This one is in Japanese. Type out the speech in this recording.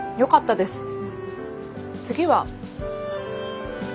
次は？